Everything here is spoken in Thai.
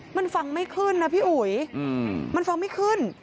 มันฟังไม่ขึ้นนะพี่อุ๋ยมันฟังไม่ขึ้น